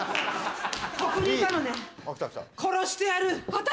ここにいたのね殺してやる私！？